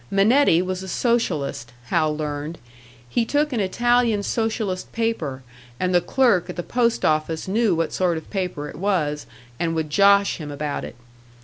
Minetti was a Socialist, Hal learned; he took an Italian Socialist paper, and the clerk at the post office knew what sort of paper it was, and would "josh" him about it.